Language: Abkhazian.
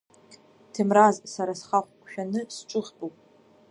Ҭемраз, сара схахә шәаны сҿыхтәуп.